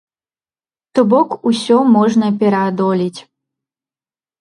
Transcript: То бок усё можна пераадолець.